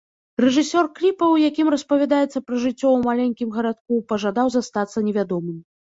Рэжысёр кліпа, у якім распавядаецца пра жыццё ў маленькім гарадку, пажадаў застацца невядомым.